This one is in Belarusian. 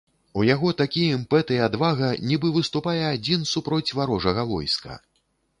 У яго такі імпэт і адвага нібы выступае адзін супроць варожага войска.